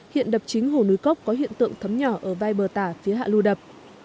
hiện đập chính hồ núi cốc có hiện tượng thấm nhỏ ở vai bờ tả phía hạ lưu đập